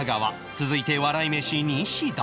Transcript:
続いて笑い飯西田